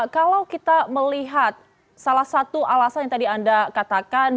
kalau kita melihat salah satu alasan yang tadi anda katakan